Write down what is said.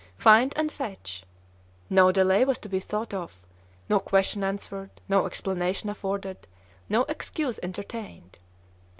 "Find and fetch!" No delay was to be thought of, no question answered, no explanation afforded, no excuse entertained.